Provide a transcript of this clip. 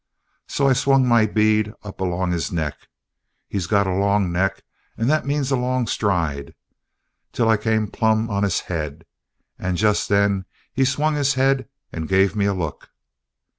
So I swung my bead up along his neck he's got a long neck and that means a long stride till I came plump on his head, and just then he swung his head and gave me a look."